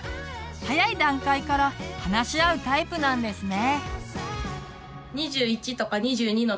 早い段階から話し合うタイプなんですね。